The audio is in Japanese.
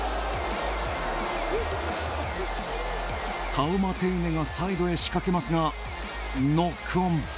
タウマテイネがサイドへ仕掛けますがノックオン。